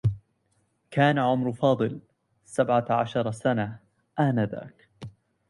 كان عمر فاضل سبعة عشر سنة آنذاك.